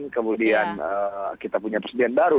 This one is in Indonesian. kemudian kita punya presiden baru